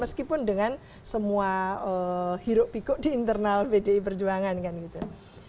meskipun dengan semua hirup pikuk di internal pdi perjuangan kan gitu